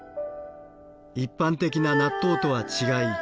一般的な納豆とは違い